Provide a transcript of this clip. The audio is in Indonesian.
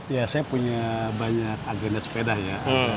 ya saya punya banyak agenda sepedanya